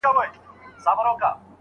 سوالونه باید بې ځوابه پاته نه سي.